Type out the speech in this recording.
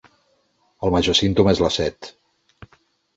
El major símptoma és la set.